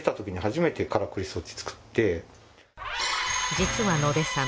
実は野出さん